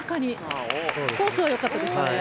コースはよかったですよね。